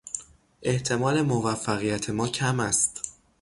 احتمال موفقیت ما کم است.